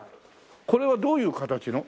これはどういう形の？